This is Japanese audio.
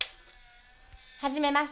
始めます。